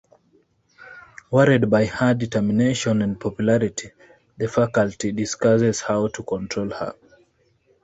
Worried by her determination and popularity, the faculty discusses how to control her.